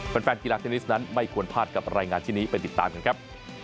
แฟนกีฬาเทนนิสนั้นไม่ควรพลาดกับรายงานชิ้นนี้ไปติดตามกันครับ